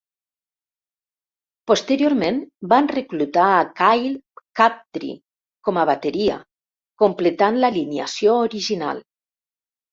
Posteriorment van reclutar a Kyle Crabtree com a bateria, completant l'alineació original.